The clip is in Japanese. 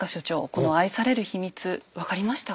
この愛されるヒミツ分かりましたか？